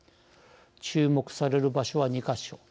注目される場所は２か所。